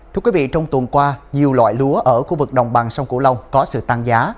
thưa quý vị trong tuần qua nhiều loại lúa ở khu vực đồng bằng sông cửu long có sự tăng giá